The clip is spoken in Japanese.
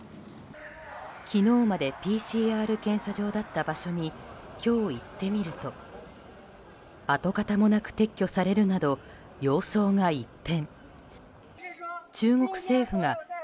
昨日までＰＣＲ検査場だった場所に今日行ってみると跡形もなく撤去されるなど様相が一変。